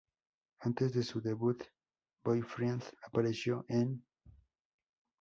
Antes de su debut, Boyfriend apareció en M!